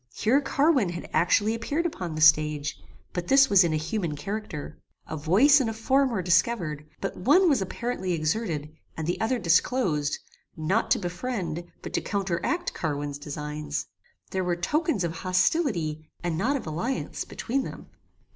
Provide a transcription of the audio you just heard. Here Carwin had actually appeared upon the stage; but this was in a human character. A voice and a form were discovered; but one was apparently exerted, and the other disclosed, not to befriend, but to counteract Carwin's designs. There were tokens of hostility, and not of alliance, between them.